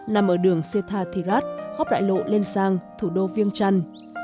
nằm ở đường si tha thì rát hóc đại lộ lên sang thủ đô viêng trăn